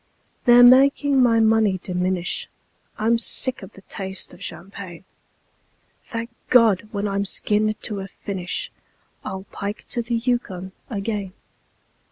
They're making my money diminish; I'm sick of the taste of champagne. Thank God! when I'm skinned to a finish I'll pike to the Yukon again.